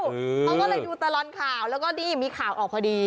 เขาก็เลยดูตลอดข่าวแล้วก็นี่มีข่าวออกพอดี